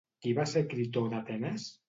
Qui va ser Critó d'Atenes?